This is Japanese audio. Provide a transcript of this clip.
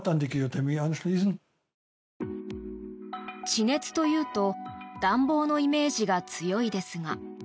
地熱というと暖房のイメージが強いですが。